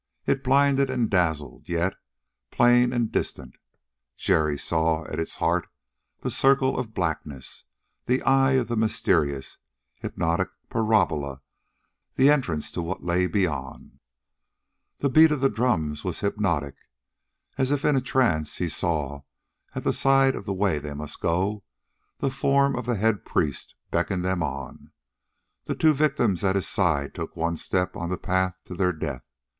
It blinded and dazzled, yet, plain and distinct, Jerry saw at its heart the circle of blackness, the eye of the mysterious, hypnotic parabola the entrance to what lay beyond. The beat of the drums was hypnotic. As if in a trance he saw, at the side of the way they must go, the form of the head priest beckon them on. The two victims at his side took one step on the path to their death.